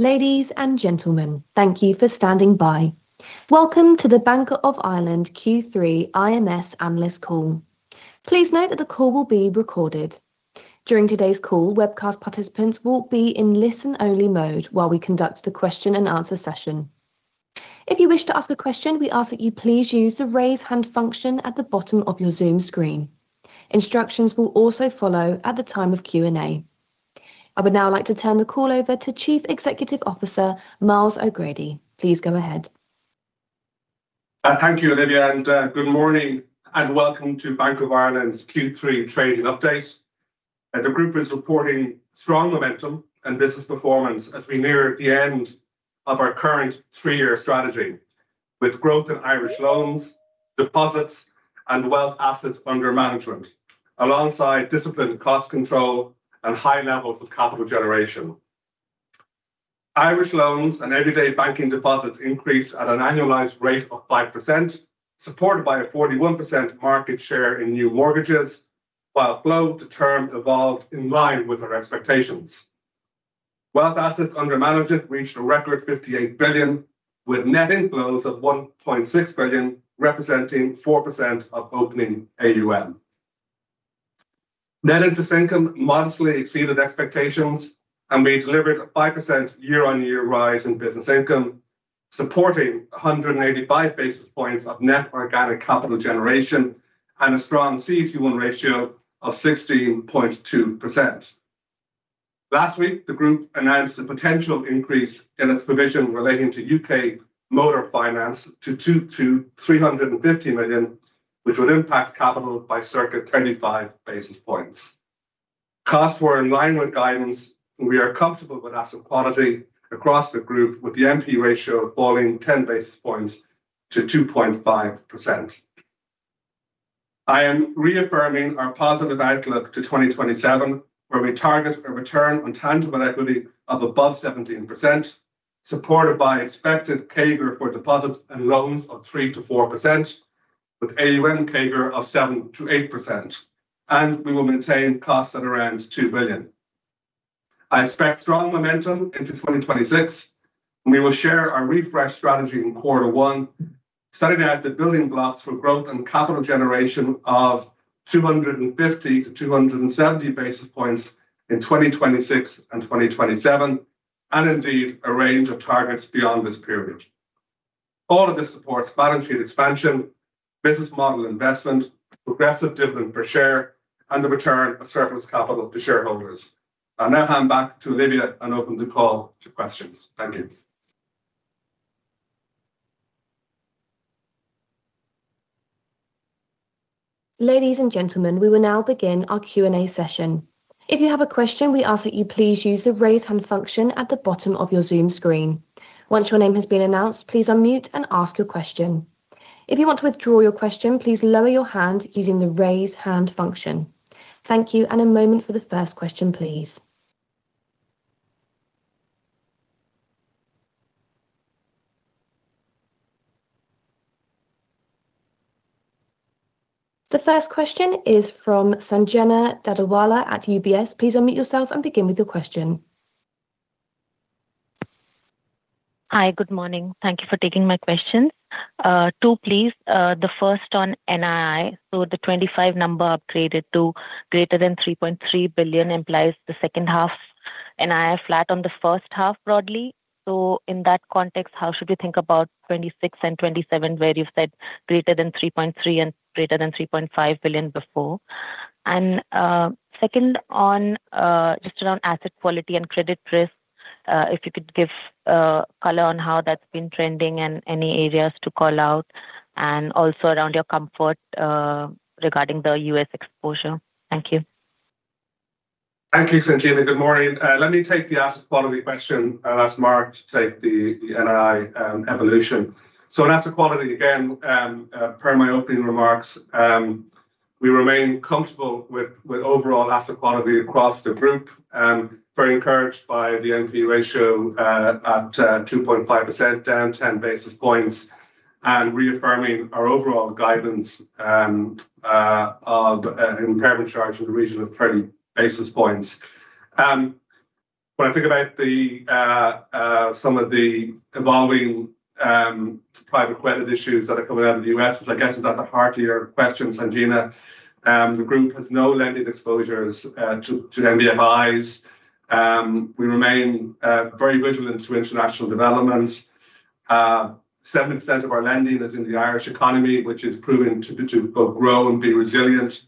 Ladies and gentlemen, thank you for standing by. Welcome to the Bank of Ireland Group plc Q3 IMS Analyst Call. Please note that the call will be recorded. During today's call, webcast participants will be in listen-only mode while we conduct the question and answer session. If you wish to ask a question, we ask that you please use the raise hand function at the bottom of your Zoom screen. Instructions will also follow at the time of Q&A. I would now like to turn the call over to Chief Executive Officer Myles O’Grady. Please go ahead. Thank you, Olivia, and good morning, and welcome to Bank of Ireland Group plc's Q3 trading update. The group is reporting strong momentum and business performance as we near the end of our current three-year strategy, with growth in Irish loans, deposits, and wealth assets under management, alongside disciplined cost control and high levels of capital generation. Irish loans and everyday banking deposits increased at an annualized rate of 5%, supported by a 41% market share in new mortgages, while flow-to-term evolved in line with our expectations. Wealth assets under management reached a record €58 billion, with net inflows of €1.6 billion, representing 4% of opening AUM. Net interest income modestly exceeded expectations, and we delivered a 5% year-on-year rise in business income, supporting 185 basis points of net organic capital generation and a strong CET1 ratio of 16.2%. Last week, the group announced a potential increase in its provision relating to UK motor finance to £250 million-350 million, which would impact capital by circa 25 basis points. Costs were in line with guidance, and we are comfortable with asset quality across the group, with the NPL ratio falling 10 basis points to 2.5%. I am reaffirming our positive outlook to 2027, where we target a return on tangible equity of above 17%, supported by expected CAGR for deposits and loans of 3%-4%, with AUM CAGR of 7%-8%, and we will maintain costs at around €2 billion. I expect strong momentum into 2026, and we will share our refresh strategy in Q1, setting out the building blocks for growth and capital generation of 250-270 basis points in 2026 and 2027, and indeed a range of targets beyond this period. All of this supports balance sheet expansion, business model investment, progressive dividend per share, and the return of surplus capital to shareholders. I'll now hand back to Olivia and open the call to questions. Thank you. Ladies and gentlemen, we will now begin our Q&A session. If you have a question, we ask that you please use the raise hand function at the bottom of your Zoom screen. Once your name has been announced, please unmute and ask your question. If you want to withdraw your question, please lower your hand using the raise hand function. Thank you, and a moment for the first question, please. The first question is from Sanjena Dadawala at UBS. Please unmute yourself and begin with your question. Hi, good morning. Thank you for taking my questions. Two, please. The first on NII, the 25 number upgraded to greater than €3.3 billion implies the second half's NII flat on the first half broadly. In that context, how should we think about 26 and 27, where you've said greater than €3.3 and greater than €3.5 billion before? Second, just around asset quality and credit risk, if you could give a color on how that's been trending and any areas to call out, and also around your comfort regarding the U.S. exposure. Thank you. Thank you, Sanjena. Good morning. Let me take the asset quality question and ask Mark to take the NII evolution. On asset quality, per my opening remarks, we remain comfortable with overall asset quality across the group, very encouraged by the NPL ratio at 2.5%, down 10 basis points, and reaffirming our overall guidance of impairment charge in the region of 30 basis points. When I think about some of the evolving private credit issues that are coming out of the U.S., which I guess is at the heart of your question, Sanjena, the group has no lending exposures to NDMIs. We remain very vigilant to international developments. 70% of our lending is in the Irish economy, which is proven to grow and be resilient.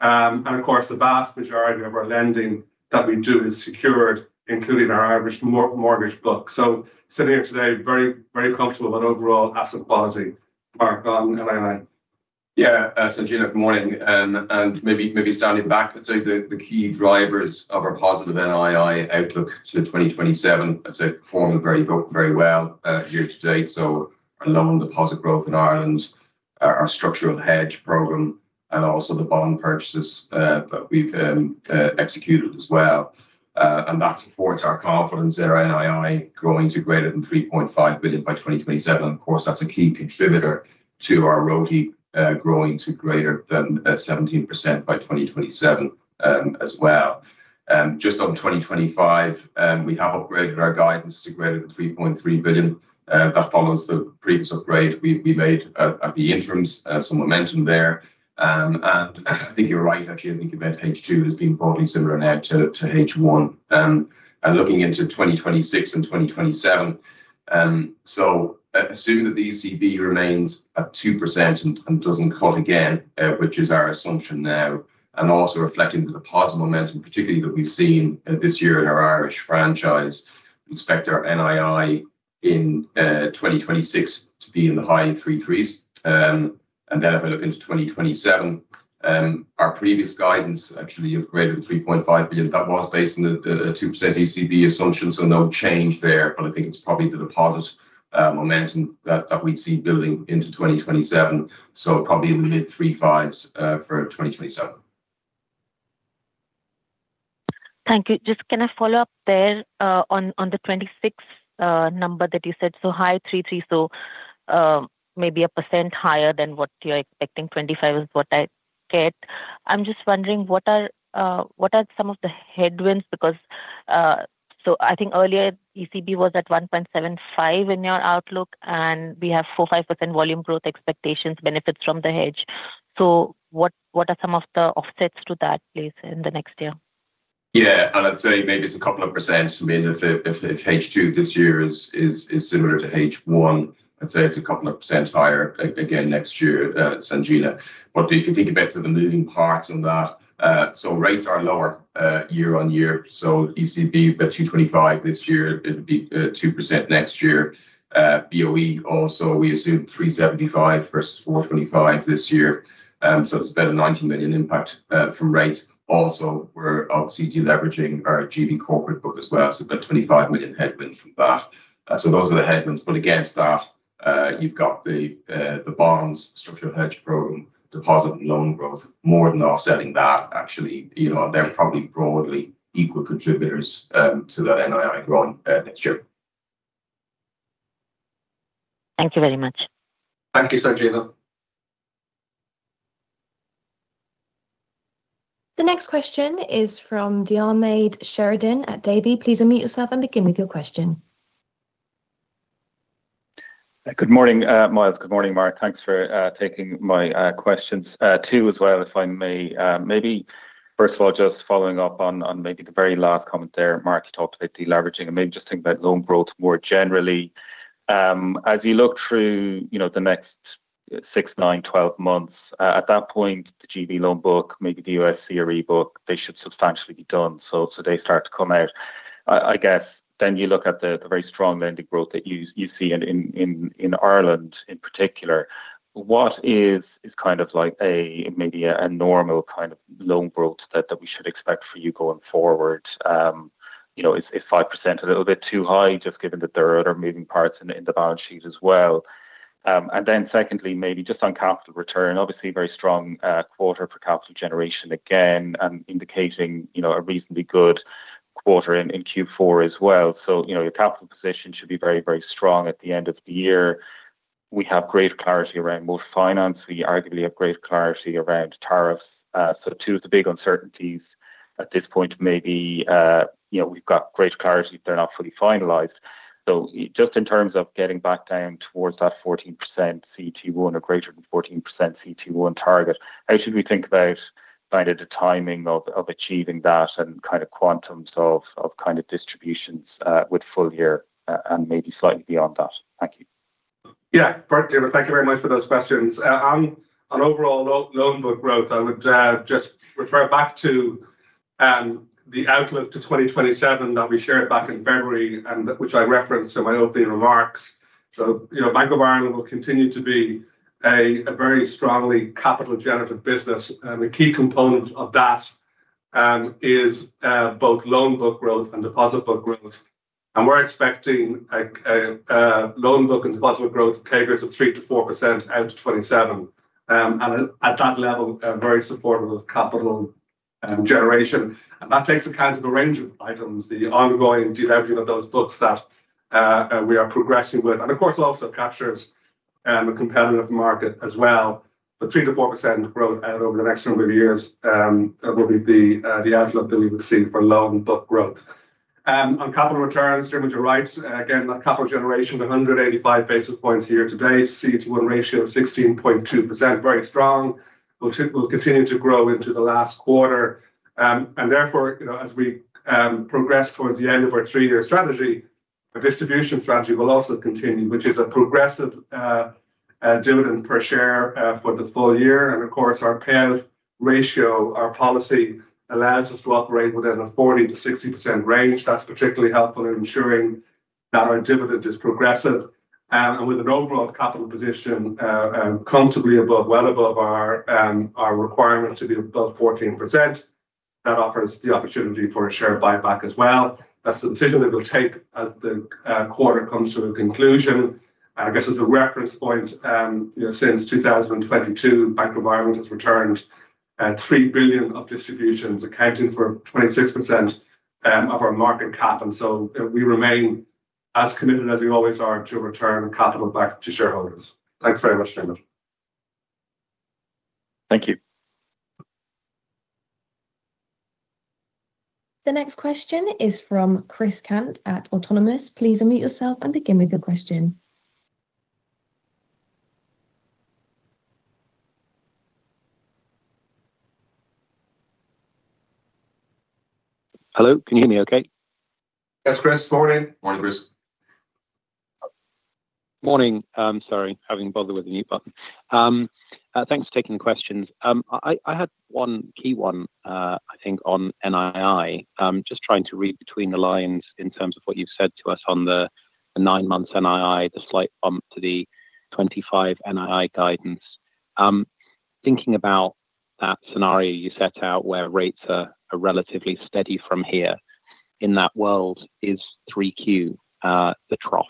The vast majority of our lending that we do is secured, including our Irish mortgage book. Sitting here today, very, very comfortable about overall asset quality. Mark, on NII. Yeah, Sanjena, good morning. Maybe standing back, I'd say the key drivers of our positive NII outlook to 2027 performed very, very well year to date. Our loan deposit growth in Ireland, our structural hedge program, and also the bond purchases that we've executed as well support our confidence in our NII growing to greater than €3.5 billion by 2027. Of course, that's a key contributor to our ROD growing to greater than 17% by 2027 as well. Just on 2025, we have upgraded our guidance to greater than €3.3 billion. That follows the previous upgrade we made at the interims, some momentum there. I think you're right, actually. I think event H2 has been broadly similar now to H1, looking into 2026 and 2027. Assuming that the ECB remains at 2% and doesn't cut again, which is our assumption now, and also reflecting the deposit momentum, particularly that we've seen this year in our Irish franchise, we expect our NII in 2026 to be in the high three-threes. If I look into 2027, our previous guidance actually of greater than €3.5 billion was based on the 2% ECB assumption, so no change there. I think it's probably the deposit momentum that we see building into 2027, so probably in the mid-three-fives for 2027. Thank you. Just going to follow up there on the 26 number that you said, so high three-threes, maybe a % higher than what you're expecting, 25 is what I get. I'm just wondering, what are some of the headwinds? I think earlier ECB was at 1.75% in your outlook, and we have 4%-5% volume growth expectations, benefits from the hedge. What are some of the offsets to that place in the next year? Yeah, I'd say maybe it's a couple of %. I mean, if H2 this year is similar to H1, I'd say it's a couple of % higher again next year, Sanjena. If you think about the moving parts on that, rates are lower year on year. ECB about 2.25% this year, it'll be 2% next year. BOE also, we assume 3.75% versus 4.25% this year. It's about a €19 million impact from rates. We're obviously deleveraging our GB corporate book as well, so about a €25 million headwind from that. Those are the headwinds. Against that, you've got the bonds, structural hedge program, deposit and loan growth more than offsetting that, actually. They're probably broadly equal contributors to that NII growing next year. Thank you very much. Thank you, Sanjena. The next question is from Diarmaid Sheridan at Davy. Please unmute yourself and begin with your question. Good morning, Myles. Good morning, Mark. Thanks for taking my questions. Two as well, if I may. Maybe, first of all, just following up on maybe the very last comment there, Mark, you talked about deleveraging and maybe just thinking about loan growth more generally. As you look through the next 6, 9, 12 months, at that point, the GB loan book, maybe the U.S. CRE book, they should substantially be done. They start to come out. I guess then you look at the very strong lending growth that you see in Ireland in particular. What is kind of like a maybe a normal kind of loan growth that we should expect for you going forward? You know, is 5% a little bit too high, just given that there are other moving parts in the balance sheet as well? Secondly, maybe just on capital return, obviously a very strong quarter for capital generation again, and indicating a reasonably good quarter in Q4 as well. Your capital position should be very, very strong at the end of the year. We have great clarity around motor finance. We arguably have great clarity around tariffs. Two of the big uncertainties at this point may be, you know, we've got great clarity if they're not fully finalized. Just in terms of getting back down towards that 14% CET1 or greater than 14% CET1 target, how should we think about finding the timing of achieving that and kind of quantums of kind of distributions with full year and maybe slightly beyond that? Thank you. Yeah, thank you very much for those questions. On overall loan book growth, I would just refer back to the outlook to 2027 that we shared back in February and which I referenced in my opening remarks. Bank of Ireland Group plc will continue to be a very strongly capital-generative business. A key component of that is both loan book growth and deposit book growth. We're expecting loan book and deposit book growth CAGRs of 3%-4% out to 2027. At that level, it is very supportive of capital generation. That takes account of a range of items, the ongoing deleveraging of those books that we are progressing with. It also captures a competitive market as well. 3%-4% growth out over the next number of years will be the outlook that we would see for loan book growth. On capital returns, you're right, again, that capital generation of 185 basis points year to date, CET1 ratio of 16.2%, very strong. We'll continue to grow into the last quarter. Therefore, as we progress towards the end of our three-year strategy, a distribution strategy will also continue, which is a progressive dividend per share for the full year. Our payout ratio, our policy allows us to operate within a 40%-60% range. That's particularly helpful in ensuring that our dividend is progressive. With an overall capital position comfortably above, well above our requirement to be above 14%, that offers the opportunity for a share buyback as well. That's the decision that we'll take as the quarter comes to a conclusion. As a reference point, since 2022, Bank of Ireland Group plc has returned €3 billion of distributions, accounting for 26% of our market cap. We remain as committed as we always are to return capital back to shareholders. Thanks very much, James. Thank you. The next question is from Chris Cant at Autonomous. Please unmute yourself and begin with your question. Hello, can you hear me okay? Yes, Chris, morning. Morning, Chris. Morning. Sorry, having to bother with the mute button. Thanks for taking the questions. I had one key one, I think, on NII. Just trying to read between the lines in terms of what you've said to us on the nine months NII, the slight bump to the 2025 NII guidance. Thinking about that scenario you set out where rates are relatively steady from here, in that world, is 3Q the trough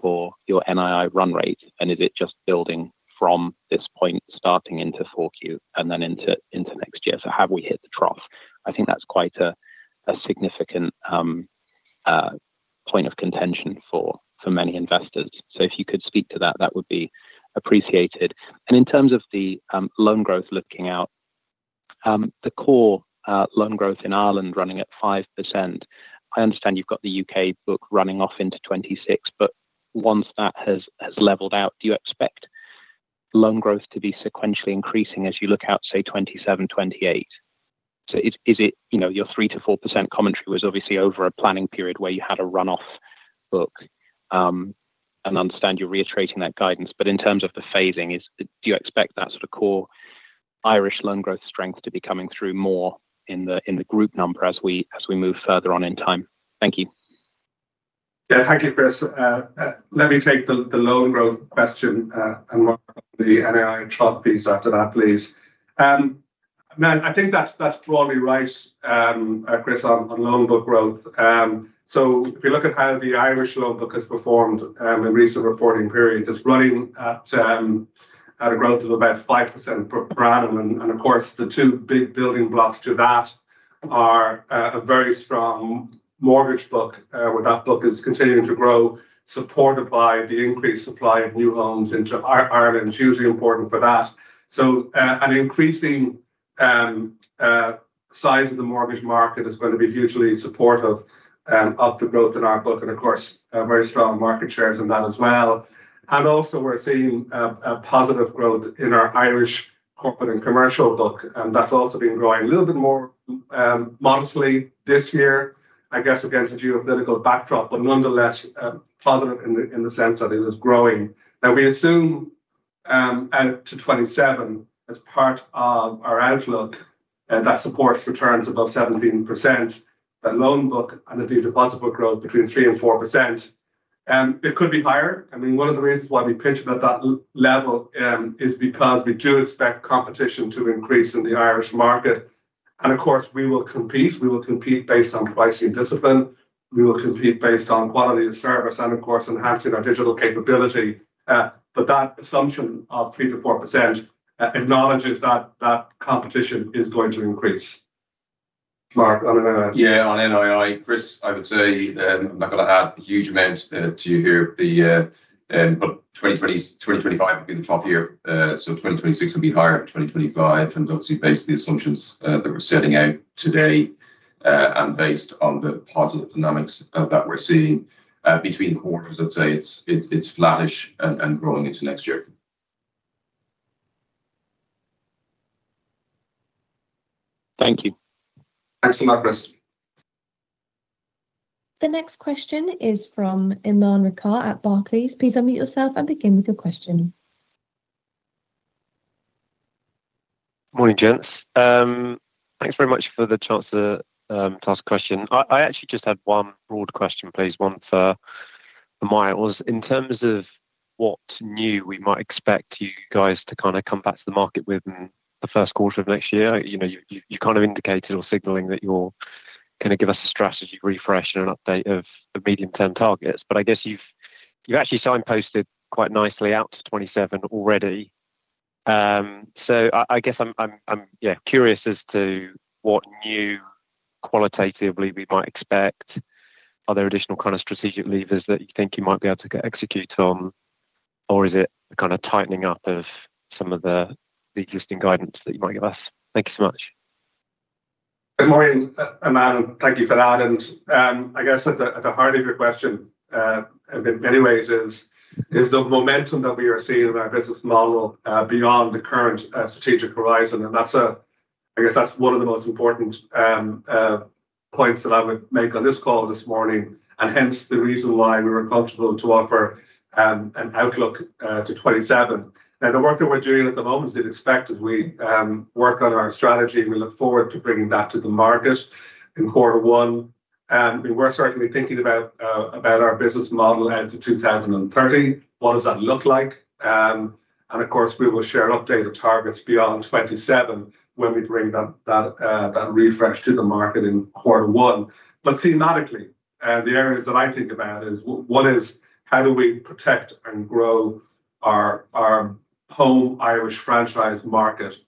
for your NII run rate? Is it just building from this point starting into 4Q and then into next year? Have we hit the trough? I think that's quite a significant point of contention for many investors. If you could speak to that, that would be appreciated. In terms of the loan growth looking out, the core loan growth in Ireland running at 5%, I understand you've got the UK book running off into 2026, but once that has leveled out, do you expect loan growth to be sequentially increasing as you look out, say, 2027, 2028? Your 3%-4% commentary was obviously over a planning period where you had a run-off book and I understand you're reiterating that guidance. In terms of the phasing, do you expect that sort of core Irish loan growth strength to be coming through more in the group number as we move further on in time? Thank you. Yeah. Thank you, Chris. Let me take the loan growth question and work on the NII trough piece after that, please. I think that's broadly right, Chris, on loan book growth. If you look at how the Irish loan book has performed in the recent reporting period, it's running at a growth of about 5% per annum. The two big building blocks to that are a very strong mortgage book, where that book is continuing to grow, supported by the increased supply of new homes into Ireland, hugely important for that. An increasing size of the mortgage market is going to be hugely supportive of the growth in our book. We have very strong market shares in that as well. We're also seeing a positive growth in our Irish corporate and commercial book. That's also been growing a little bit more modestly this year, I guess, against a geopolitical backdrop, but nonetheless positive in the sense that it is growing. We assume out to 2027, as part of our outlook, that supports returns above 17%, that loan book and the deposit book growth between 3% and 4%. It could be higher. One of the reasons why we pitch about that level is because we do expect competition to increase in the Irish market. We will compete based on pricing discipline. We will compete based on quality of service and, of course, enhancing our digital capability. That assumption of 3%-4% acknowledges that competition is going to increase. Mark on NII? Yeah, on NII, Chris, I would say I'm not going to add a huge amount to you here. 2025 would be the trough year. 2026 would be higher than 2025. Obviously, based on the assumptions that we're setting out today and based on the positive dynamics that we're seeing between quarters, I'd say it's flattish and growing into next year. Thank you. Thanks a lot, Chris. The next question is from Aman Rakkar at Barclays. Please unmute yourself and begin with your question. Morning, gents. Thanks very much for the chance to ask a question. I actually just had one broad question, please, one for Maya. It was in terms of what new we might expect you guys to kind of come back to the market with in the first quarter of next year. You know, you kind of indicated or signaling that you're going to give us a strategy refresh and an update of the medium-term targets. I guess you've actually signposted quite nicely out to 2027 already. I guess I'm curious as to what new qualitatively we might expect. Are there additional kind of strategic levers that you think you might be able to execute on? Is it a kind of tightening up of some of the existing guidance that you might give us? Thank you so much. Good morning, Aman, and thank you for that. I guess at the heart of your question, in many ways, is the momentum that we are seeing in our business model beyond the current strategic horizon. That's one of the most important points that I would make on this call this morning. Hence the reason why we were comfortable to offer an outlook to 2027. The work that we're doing at the moment is expected. We work on our strategy. We look forward to bringing that to the market in quarter one. We're certainly thinking about our business model out to 2030. What does that look like? We will share updated targets beyond 2027 when we bring that refresh to the market in quarter one. Thematically, the areas that I think about are: what is, how do we protect and grow our home Irish franchise market?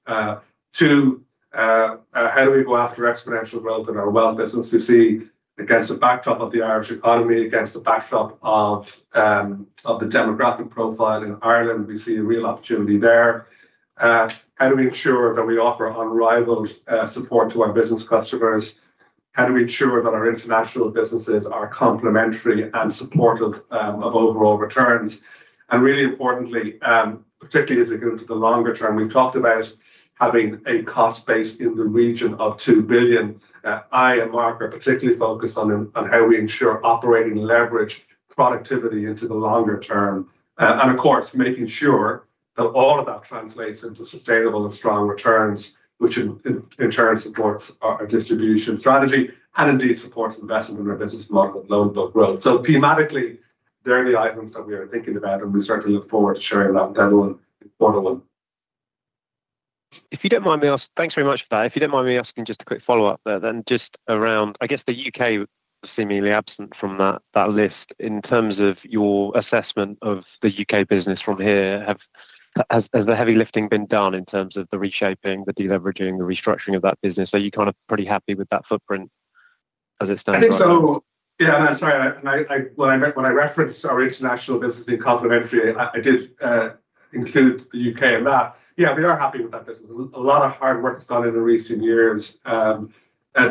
Two, how do we go after exponential growth in our wealth business? We see against the backdrop of the Irish economy, against the backdrop of the demographic profile in Ireland, we see a real opportunity there. How do we ensure that we offer unrivaled support to our business customers? How do we ensure that our international businesses are complementary and supportive of overall returns? Really importantly, particularly as we go into the longer term, we've talked about having a cost base in the region of €2 billion. Mark and I are particularly focused on how we ensure operating leverage, productivity into the longer term. Of course, making sure that all of that translates into sustainable and strong returns, which in turn supports our distribution strategy and indeed supports investment in our business model and loan book growth. Thematically, they're the items that we are thinking about, and we certainly look forward to sharing that demo in quarter one. If you don't mind me asking, thanks very much for that. If you don't mind me asking just a quick follow-up there, then just around, I guess the UK seemingly absent from that list in terms of your assessment of the UK business from here. Has the heavy lifting been done in terms of the reshaping, the deleveraging, the restructuring of that business? Are you kind of pretty happy with that footprint as it stands now? I think so. I'm sorry. When I referenced our international business being complementary, I did include the UK in that. We are happy with that business. A lot of hard work has gone in in the recent years to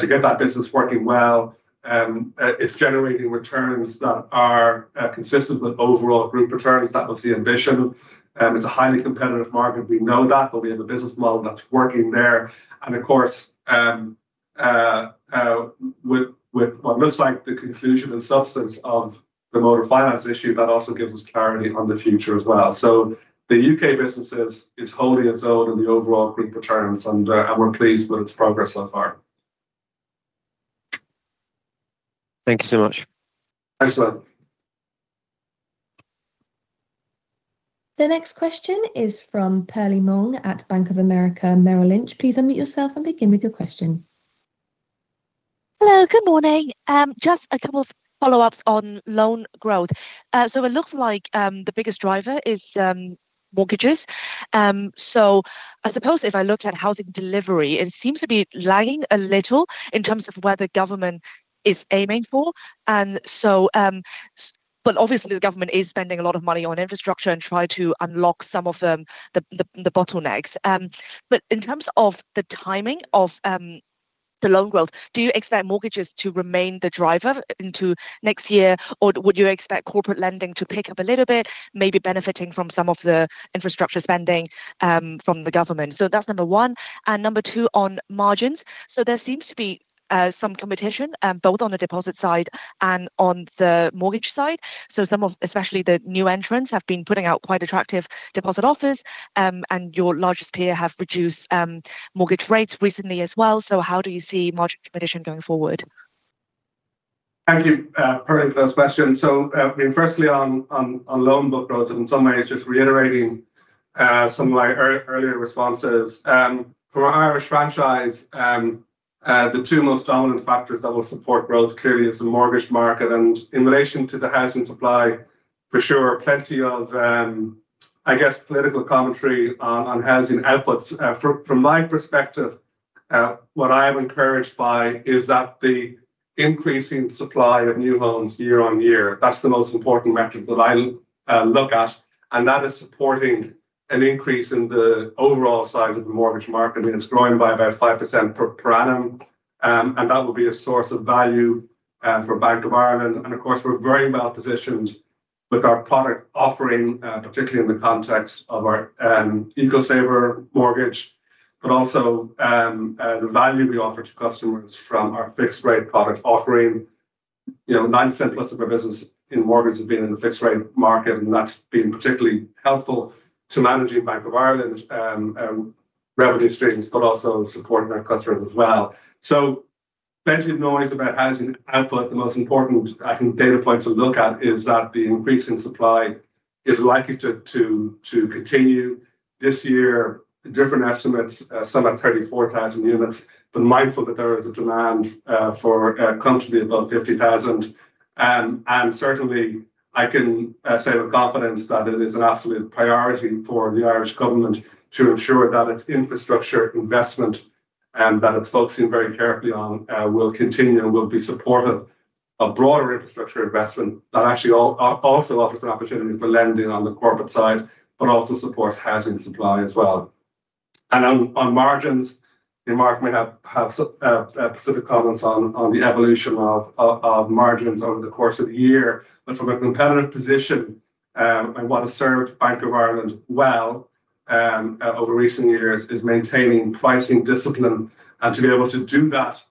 get that business working well. It's generating returns that are consistent with overall group returns. That was the ambition. It's a highly competitive market. We know that, but we have a business model that's working there. With what looks like the conclusion and substance of the motor finance issue, that also gives us clarity on the future as well. The UK business is holding its own in the overall group returns, and we're pleased with its progress so far. Thank you so much. Thanks a lot. The next question is from Perlie Mong at Bank of America Merrill Lynch. Please unmute yourself and begin with your question. Hello, good morning. Just a couple of follow-ups on loan growth. It looks like the biggest driver is mortgages. I suppose if I look at housing delivery, it seems to be lagging a little in terms of where the government is aiming for. Obviously, the government is spending a lot of money on infrastructure and trying to unlock some of the bottlenecks. In terms of the timing of the loan growth, do you expect mortgages to remain the driver into next year, or would you expect corporate lending to pick up a little bit, maybe benefiting from some of the infrastructure spending from the government? That's number one. Number two on margins. There seems to be some competition both on the deposit side and on the mortgage side. Some of, especially the new entrants, have been putting out quite attractive deposit offers, and your largest peer have reduced mortgage rates recently as well. How do you see market competition going forward? Thank you, Perlie, for that question. Firstly, on loan book growth, and in some ways, just reiterating some of my earlier responses. For our Irish franchise, the two most dominant factors that will support growth clearly is the mortgage market. In relation to the housing supply, for sure, plenty of, I guess, political commentary on housing outputs. From my perspective, what I'm encouraged by is the increasing supply of new homes year on year. That's the most important metric that I look at. That is supporting an increase in the overall size of the mortgage market. I mean, it's growing by about 5% per annum. That will be a source of value for Bank of Ireland Group plc. Of course, we're very well positioned with our product offering, particularly in the context of our EcoSaver mortgage, but also the value we offer to customers from our fixed-rate product offering. You know, 90% plus of our business in mortgage has been in the fixed-rate market, and that's been particularly helpful to managing Bank of Ireland Group plc revenue streams, but also supporting our customers as well. Plenty of noise about housing output. The most important, I think, data point to look at is that the increase in supply is likely to continue this year. Different estimates, some at 34,000 units, but mindful that there is a demand for constantly above 50,000. Certainly, I can say with confidence that it is an absolute priority for the Irish government to ensure that its infrastructure investment, and that it's focusing very carefully on, will continue and will be supportive of broader infrastructure investment that actually also offers an opportunity for lending on the corporate side, but also supports housing supply as well. On margins, Mark may have specific comments on the evolution of margins over the course of the year. From a competitive position, and what has served Bank of Ireland Group plc well over recent years is maintaining pricing discipline, and to be able to do that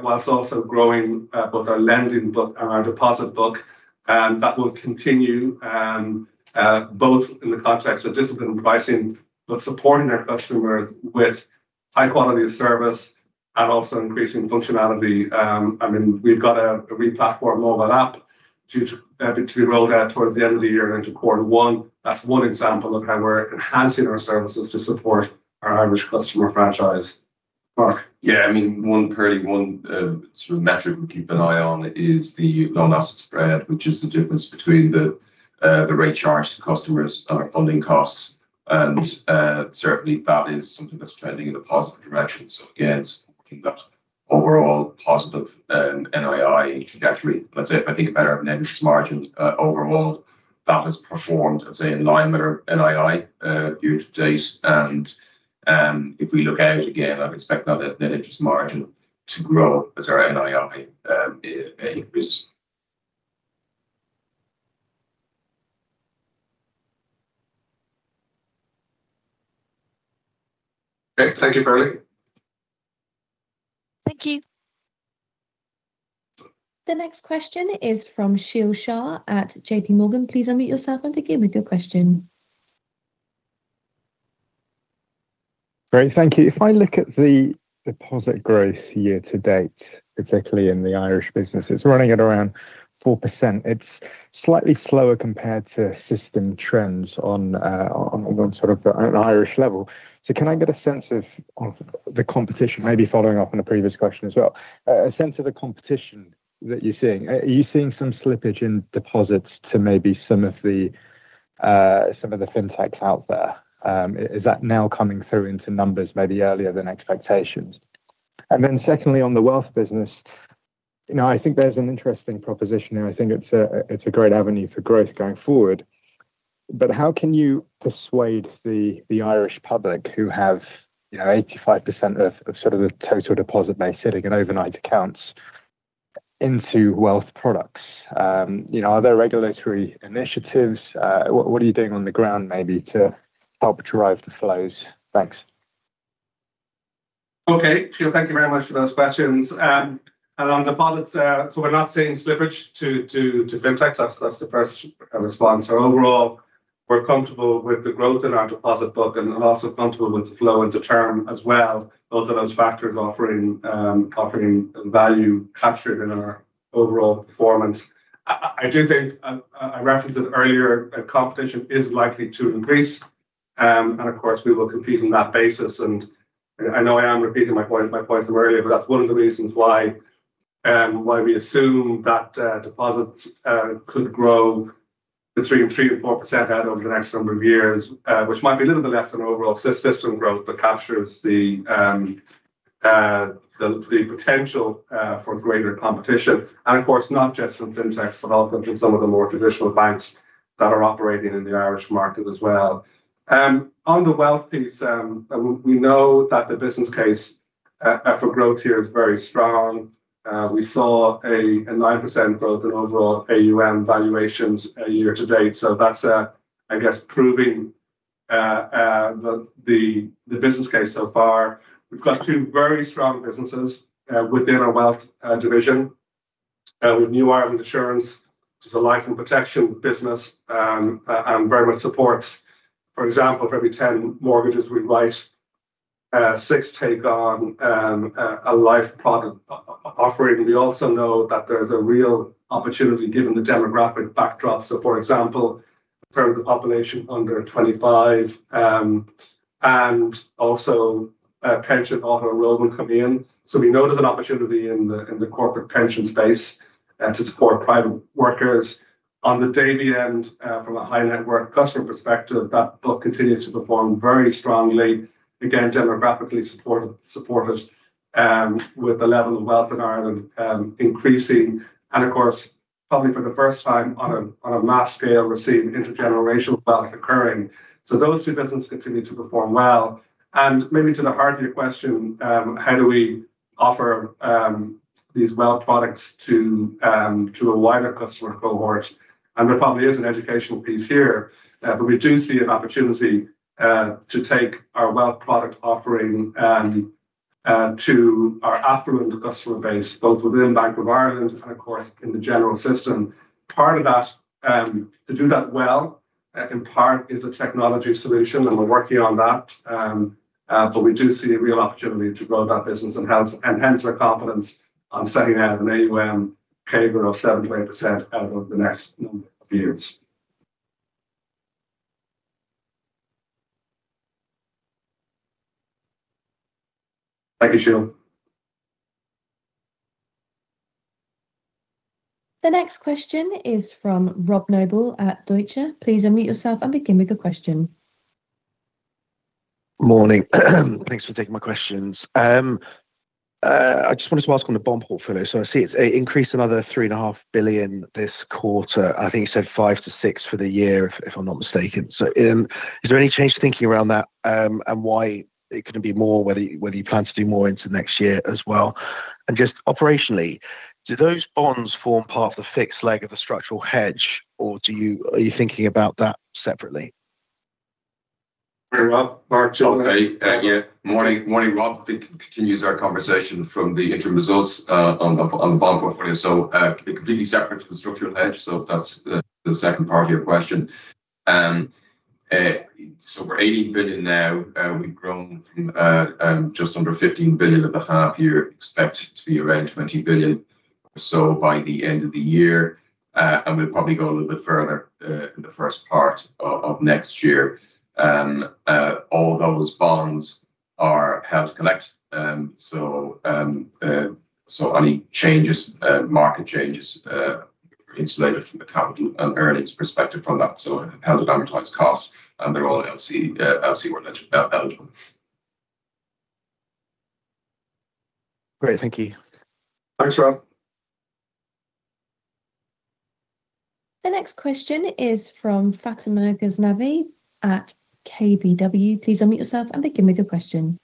whilst also growing both our lending book and our deposit book, that will continue both in the context of discipline and pricing, but supporting our customers with high quality of service and also increasing functionality. I mean, we've got a re-platform mobile app due to be rolled out towards the end of the year and into quarter one. That's one example of how we're enhancing our services to support our Irish customer franchise. Mark. Yeah, I mean, one, one sort of metric we keep an eye on is the loan asset spread, which is the difference between the rate charged to customers and our funding costs. Certainly, that is something that's trending in a positive direction, supporting that overall positive NII trajectory. If I think about our net interest margin overall, that has performed, let's say, in line with our NII year to date. If we look out again, I'd expect that net interest margin to grow as our NII increases. Okay, thank you, Pearlie. Thank you. The next question is from Sheel Shah at JPMorgan. Please unmute yourself and begin with your question. Great, thank you. If I look at the deposit growth year to date, particularly in the Irish business, it's running at around 4%. It's slightly slower compared to system trends on an Irish level. Can I get a sense of the competition, maybe following up on the previous question as well, a sense of the competition that you're seeing? Are you seeing some slippage in deposits to maybe some of the fintechs out there? Is that now coming through into numbers maybe earlier than expectations? Secondly, on the wealth business, I think there's an interesting proposition here. I think it's a great avenue for growth going forward. How can you persuade the Irish public who have 85% of the total deposit base sitting in overnight accounts into wealth products? Are there regulatory initiatives? What are you doing on the ground maybe to help drive the flows? Thanks. Okay, sure. Thank you very much for those questions. On deposits, we're not seeing slippage to fintechs. That's the first response. Overall, we're comfortable with the growth in our deposit book and also comfortable with the flow into term as well, both of those factors offering value captured in our overall performance. I do think, I referenced it earlier, competition is likely to increase. Of course, we will compete on that basis. I know I am repeating my point from earlier, but that's one of the reasons why we assume that deposits could grow between 3% and 4% out over the next number of years, which might be a little bit less than overall system growth, but captures the potential for greater competition. Not just in fintechs, but also in some of the more traditional banks that are operating in the Irish market as well. On the wealth piece, we know that the business case for growth here is very strong. We saw a 9% growth in overall AUM valuations year to date. That's, I guess, proving the business case so far. We've got two very strong businesses within our wealth division. We have New Ireland Insurance, which is a life and protection business and very much supports, for example, for every 10 mortgages we write, six take on a life product offering. We also know that there's a real opportunity given the demographic backdrop. For example, the permanent population under 25 and also pension auto-enrollment coming in. We notice an opportunity in the corporate pension space to support private workers. On the Davy end, from a high net worth customer perspective, that book continues to perform very strongly. Again, demographically supported with the level of wealth in Ireland increasing. Probably for the first time on a mass scale, we're seeing intergenerational wealth occurring. Those two businesses continue to perform well. Maybe to the heart of your question, how do we offer these wealth products to a wider customer cohort? There probably is an educational piece here, but we do see an opportunity to take our wealth product offering to our affluent customer base, both within Bank of Ireland and in the general system. Part of that, to do that well, in part is a technology solution, and we're working on that. We do see a real opportunity to grow that business and hence our confidence on setting out an AUM CAGR of 7%-8% out over the next number of years. Thank you, Sheel. The next question is from Rob Noble at Deutsche. Please unmute yourself and begin with your question. Morning. Thanks for taking my questions. I just wanted to ask on the bond portfolio. I see it's increased another €3.5 billion this quarter. I think you said €5 billion-€6 billion for the year, if I'm not mistaken. Is there any change to thinking around that and why it couldn't be more, whether you plan to do more into next year as well? Just operationally, do those bonds form part of the fixed leg of the structural hedge, or are you thinking about that separately? Very well, Mark, do you want to? Morning, Rob. I think it continues our conversation from the interim results on the BOM portfolio. Completely separate from the structural hedge, that's the second part of your question. It's over €18 billion now. We've grown from just under €15 billion at the half year. Expect to be around €20 billion or so by the end of the year. We'll probably go a little bit further in the first part of next year. All those bonds are held to collect, so any market changes are insulated from the capital and earnings perspective from that. Held at amortized cost, and they're all LC or eligible. Great, thank you. Thanks, Rob. The next question is from Fatima Ghaznavi at KBW. Please unmute yourself and begin with your question.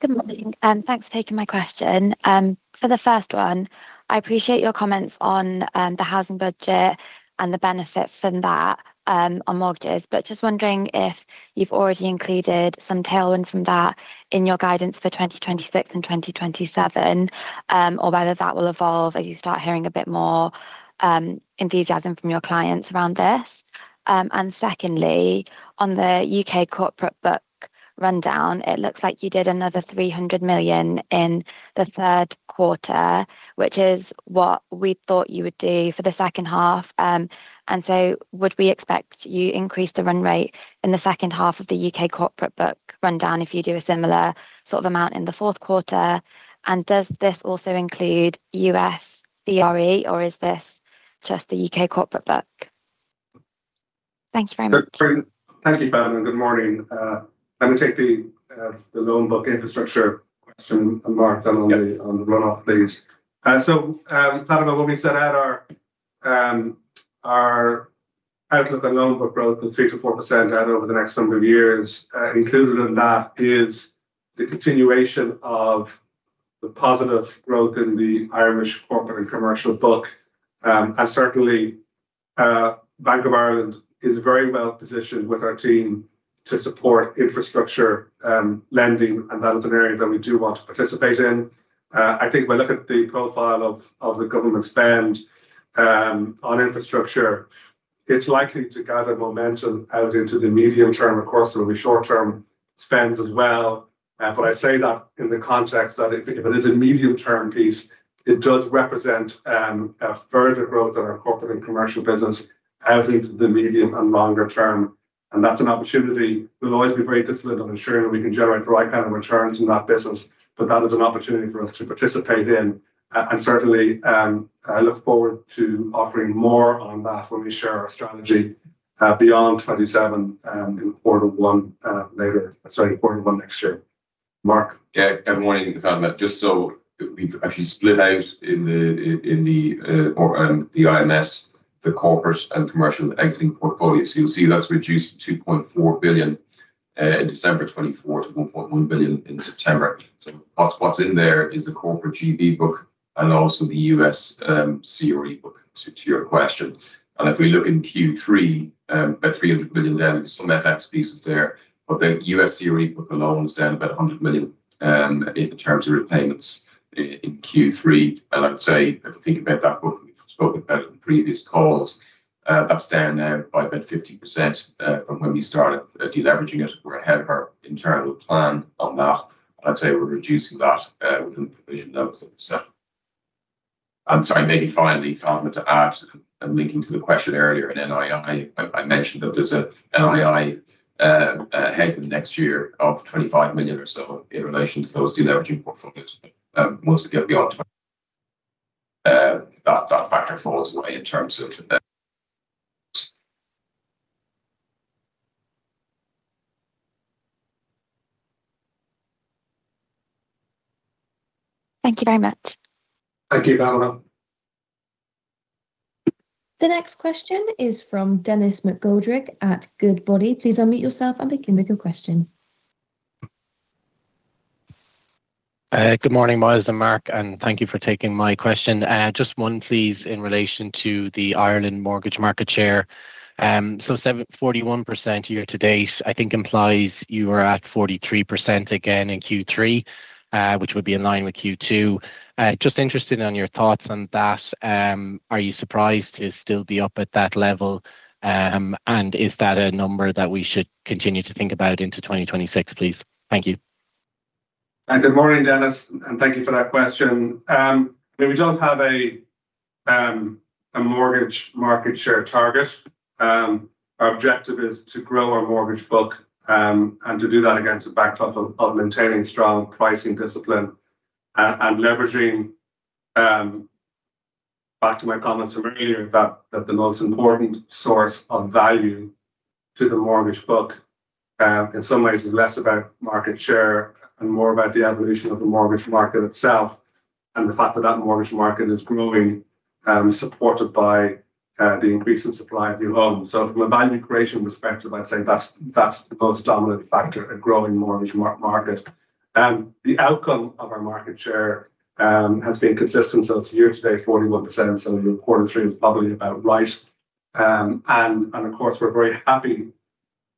Good morning. Thanks for taking my question. For the first one, I appreciate your comments on the housing budget and the benefit from that on mortgages, but just wondering if you've already included some tailwind from that in your guidance for 2026 and 2027, or whether that will evolve as you start hearing a bit more enthusiasm from your clients around this. Secondly, on the UK corporate book rundown, it looks like you did another £300 million in the third quarter, which is what we thought you would do for the second half. Would we expect you to increase the run rate in the second half of the UK corporate book rundown if you do a similar sort of amount in the fourth quarter? Does this also include U.S. CRE, or is this just the UK corporate book? Thank you very much. Thank you, Fatima. Good morning. Let me take the loan book infrastructure question and mark that on the run-off, please. Fatima, what we've said out of our outlook and loan book growth of 3%-4% out over the next number of years, included in that is the continuation of the positive growth in the Irish corporate and commercial book. Certainly, Bank of Ireland Group plc is very well positioned with our team to support infrastructure lending, and that is an area that we do want to participate in. I think if I look at the profile of the government spend on infrastructure, it's likely to gather momentum out into the medium term. Of course, there will be short-term spends as well. I say that in the context that if it is a medium-term piece, it does represent further growth in our corporate and commercial business out into the medium and longer term. That's an opportunity. We'll always be very disciplined on ensuring that we can generate the right kind of returns in that business. That is an opportunity for us to participate in. Certainly, I look forward to offering more on that when we share our strategy beyond 2027 in quarter one next year. Mark? Yeah, good morning, Fatima. We've actually split out in the IMS the corporate and commercial exiting portfolio. You'll see that's reduced to €2.4 billion in December 2024 to €1.1 billion in September. What's in there is the corporate GB book and also the U.S. CRE book to your question. If we look in Q3, about €300 million down, some FX pieces there, but the U.S. CRE book alone is down about €100 million in terms of repayments in Q3. If we think about that book, we've spoken about it in previous calls, that's down now by about 50% from when we started deleveraging it. We're ahead of our internal plan on that. We're reducing that within the provision that was set up. Sorry, maybe finally, Fatima, to add and linking to the question earlier in NII, I mentioned that there's an NII ahead in the next year of €25 million or so in relation to those deleveraging portfolios. Once we get beyond that, that factor falls away in terms of. Thank you very much. Thank you, Fatima. The next question is from Denis McGoldrick at Goodbody. Please unmute yourself and begin with your question. Good morning, Myles and Mark, and thank you for taking my question. Just one, please, in relation to the Ireland mortgage market share. So 74% year to date, I think implies you were at 43% again in Q3, which would be in line with Q2. Just interested in your thoughts on that. Are you surprised to still be up at that level? Is that a number that we should continue to think about into 2026, please? Thank you. Good morning, Denis, and thank you for that question. We don't have a mortgage market share target. Our objective is to grow our mortgage book and to do that against a backdrop of maintaining strong pricing discipline and leveraging, back to my comments from earlier, that the most important source of value to the mortgage book in some ways is less about market share and more about the evolution of the mortgage market itself and the fact that that mortgage market is growing, supported by the increase in supply of new homes. From a value creation perspective, I'd say that's the most dominant factor, a growing mortgage market. The outcome of our market share has been consistent since year to date, 41%. Your quarter three is probably about right. Of course, we're very happy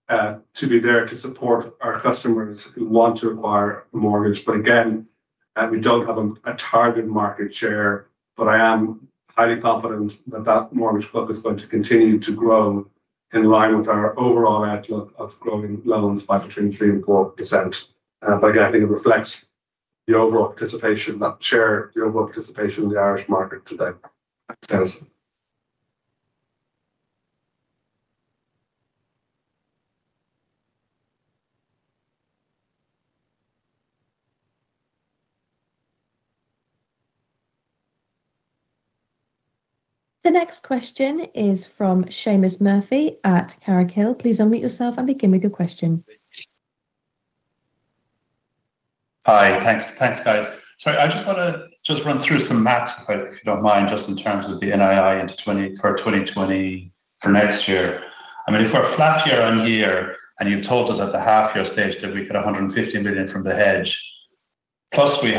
to be there to support our customers who want to acquire a mortgage. We don't have a target market share, but I am highly confident that that mortgage book is going to continue to grow in line with our overall outlook of growing loans by between 3% and 4%. I think it reflects the overall participation, that share, the overall participation in the Irish market today. The next question is from Seamus Murphy at Carraighill. Please unmute yourself and begin with your question. Hi, thanks, thanks guys. I just want to run through some maths if you don't mind, just in terms of the NII for 2024 for next year. I mean, if we're flat year on year and you've told us at the half-year stage that we've got €150 million from the hedge, plus we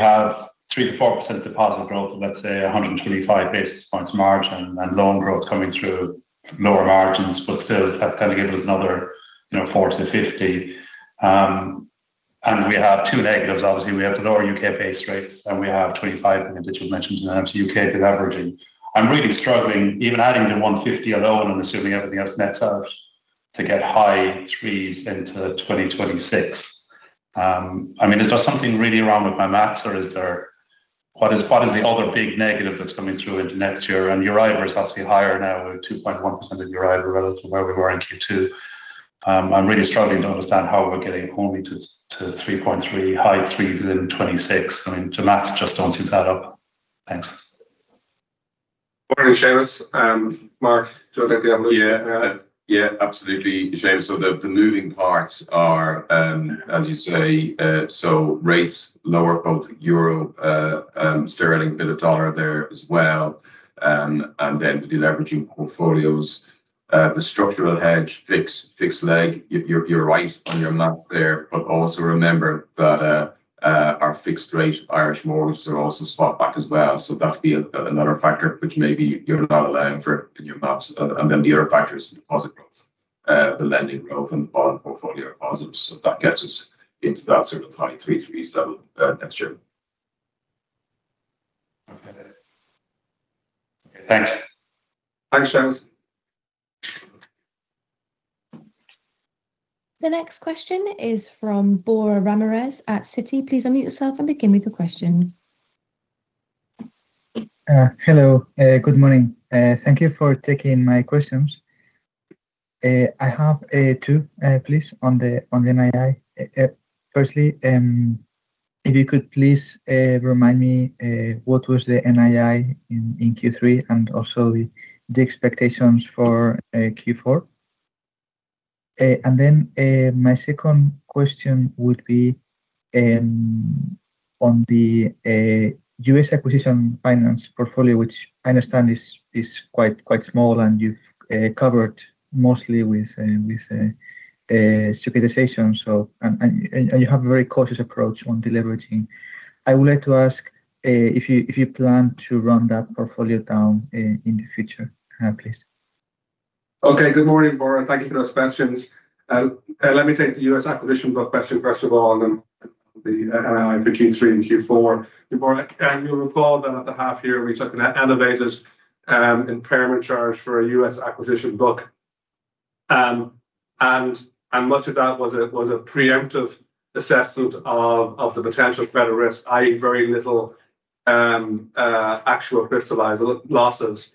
have 3%-4% deposit growth at, let's say, 125 basis points margin and loan growth coming through lower margins, but still that's going to give us another, you know, €40 million-€50 million. We have two negatives, obviously. We have the lower UK base rates and we have €25 million digital mentions in the UK deleveraging. I'm really struggling, even adding the €150 million alone and assuming everything else nets out, to get high 3s into 2026. Is there something really wrong with my maths or what is the other big negative that's coming through into next year? Euribor is actually higher now, 2.1% Euribor relative to where we were in Q2. I'm really struggling to understand how we're getting home to 3.3 high 3s in 2026. The maths just don't seem to add up. Thanks. Morning, Seamus. Mark, do you want to add the outlook? Absolutely, Seamus. The moving parts are, as you say, rates lower, both euro, sterling, a bit of dollar there as well. The deleveraging portfolios, the structural hedge, fixed leg, you're right on your maths there. Also, remember that our fixed-rate Irish mortgages are also spot back as well. That would be another factor, which maybe you're not allowing for in your maths. The other factor is the deposit growth, the lending growth, and the bond portfolio are positive. That gets us into that sort of high 3-3s level next year. Okay, thanks. Thanks, Seamus. The next question is from Borja Ramirez at Citi. Please unmute yourself and begin with your question. Hello, good morning. Thank you for taking my questions. I have two, please, on the NII. Firstly, if you could please remind me what was the NII in Q3 and also the expectations for Q4. My second question would be on the US acquisition finance portfolio, which I understand is quite small and you've covered mostly with securitization. You have a very cautious approach on deleveraging. I would like to ask if you plan to run that portfolio down in the future, please. Okay, good morning, Borja. Thank you for those questions. Let me take the U.S. acquisition book question first of all, and then the NII for Q3 and Q4. Borja, you'll recall that at the half year, we took an innovative impairment charge for a U.S. acquisition book. Much of that was a preemptive assessment of the potential credit risk, i.e., very little actual crystallized losses.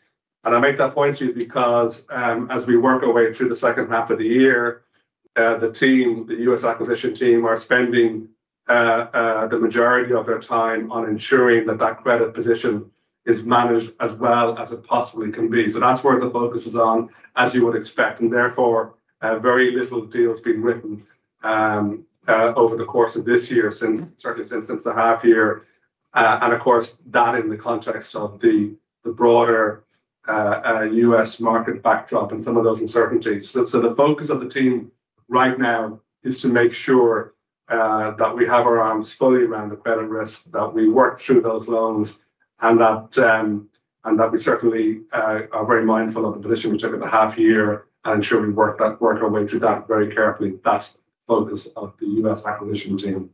I make that point to you because as we work our way through the second half of the year, the team, the U.S. acquisition team, are spending the majority of their time on ensuring that that credit position is managed as well as it possibly can be. That's where the focus is, as you would expect. Therefore, very little deal has been written over the course of this year, certainly since the half year. That is in the context of the broader U.S. market backdrop and some of those uncertainties. The focus of the team right now is to make sure that we have our arms fully around the credit risk, that we work through those loans, and that we certainly are very mindful of the position we took at the half year and ensure we work our way through that very carefully. That's the focus of the U.S. acquisition team.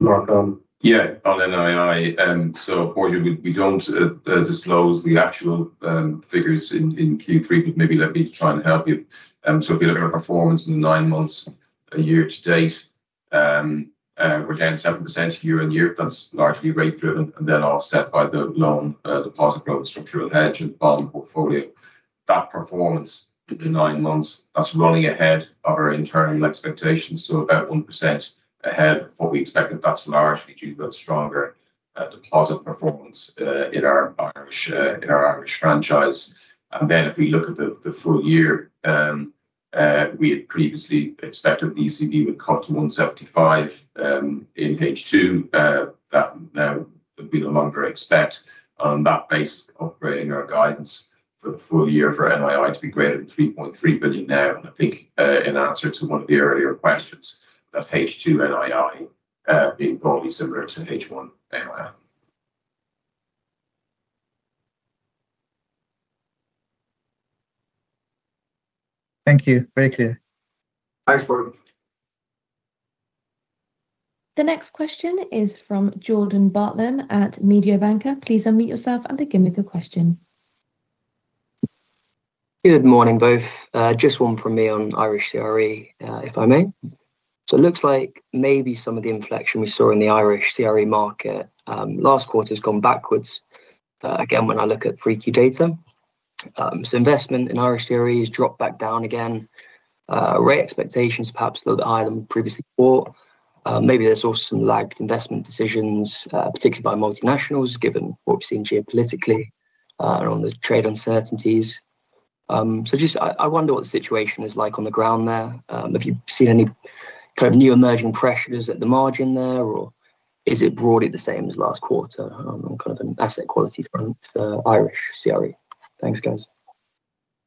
Mark on. Yeah. On NII, unfortunately, we don't disclose the actual figures in Q3, but maybe let me try and help you. If you look at our performance in the nine months, a year to date, we're down 7% year on year. That's largely rate driven, offset by the loan deposit growth, structural hedge, and bond portfolio. That performance in the nine months is running ahead of our internal expectations, about 1% ahead of what we expected. That's largely due to that stronger deposit performance in our Irish franchise. If we look at the full year, we had previously expected the ECB would cut to 175 in page two. That would be the longer expect on that base, operating our guidance for the full year for NII to be greater than €3.3 billion now. I think in answer to one of the earlier questions, that page two NII being broadly similar to page one NII. Thank you. Very clear. Thanks, Borja. The next question is from Jordan Bartlam at Mediobanca. Please unmute yourself and begin with your question. Good morning both. Just one from me on Irish CRE, if I may. It looks like maybe some of the inflection we saw in the Irish CRE market last quarter has gone backwards. When I look at 3Q data, investment in Irish CRE has dropped back down again. Rate expectations are perhaps a little bit higher than we previously thought. Maybe there's also some lagged investment decisions, particularly by multinationals, given what we've seen geopolitically and on the trade uncertainties. I wonder what the situation is like on the ground there. Have you seen any kind of new emerging pressures at the margin there, or is it broadly the same as last quarter on an asset quality front for Irish CRE? Thanks, guys.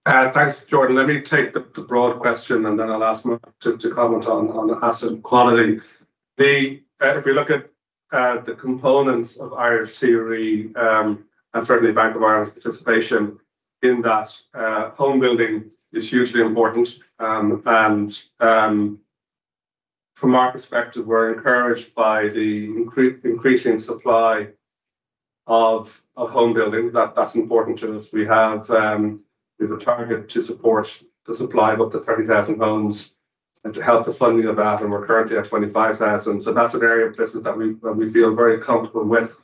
Thanks, Jordan. Let me take the broad question, and then I'll ask Mark to comment on asset quality. If we look at the components of Irish CRE and certainly Bank of Ireland Group plc's participation in that, home building is hugely important. From our perspective, we're encouraged by the increasing supply of home building. That's important to us. We have a target to support the supply of up to 30,000 homes and to help the funding of that. We're currently at 25,000. That's an area of business that we feel very comfortable with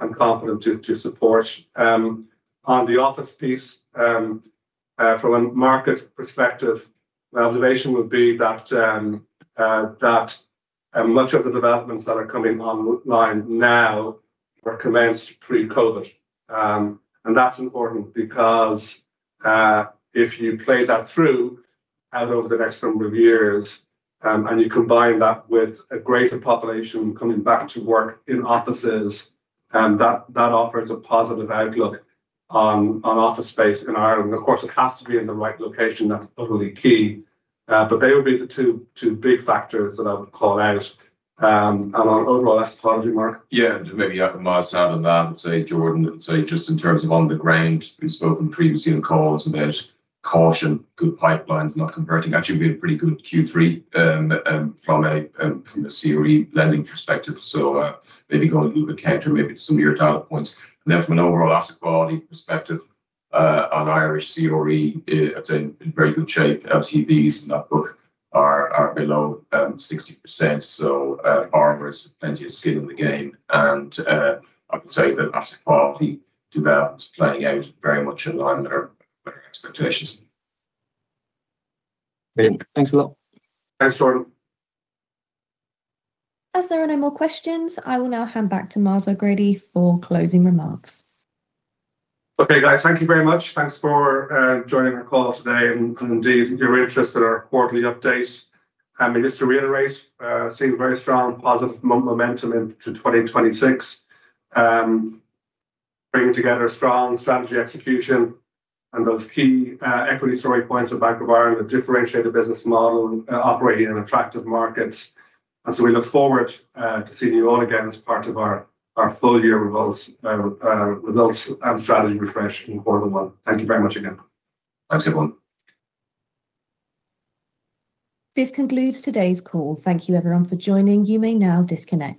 and confident to support. On the office piece, from a market perspective, my observation would be that much of the developments that are coming online now were commenced pre-COVID. That's important because if you play that through over the next number of years and you combine that with a greater population coming back to work in offices, that offers a positive outlook on office space in Ireland. Of course, it has to be in the right location. That's totally key. They would be the two big factors that I would call out. On overall asset quality, Mark. Maybe I can add on that and say, Jordan, just in terms of on the ground, we've spoken previously in calls about caution, good pipelines, not converting. Actually, we've been pretty good Q3 from a CRE lending perspective. Maybe going a little bit counter to some of your talent points. From an overall asset quality perspective, on Irish CRE, I'd say in very good shape. LTVs in that book are below 60%. Borrowers have plenty of skin in the game. I would say that asset quality developments are playing out very much in line with our expectations. Thanks a lot. Thanks, Jordan. If there are no more questions, I will now hand back to Myles O’Grady for closing remarks. Okay, guys, thank you very much. Thanks for joining our call today and indeed your interest in our quarterly update. Just to reiterate, seeing very strong positive momentum into 2026, bringing together a strong strategy execution and those key equity story points of Bank of Ireland Group plc, a differentiated business model operating in attractive markets. We look forward to seeing you all again as part of our full year results and strategy refresh in quarter one. Thank you very much again. Thanks, everyone. This concludes today's call. Thank you, everyone, for joining. You may now disconnect.